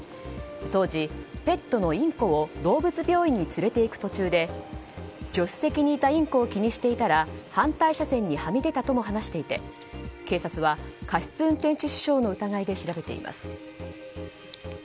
当時、ペットのインコを動物病院に連れていく途中で助手席にいたインコを気にしていたら反対車線にはみ出たとも話していて警察は過失運転致死傷の疑いで調べています。